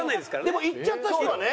でもいっちゃった人はね。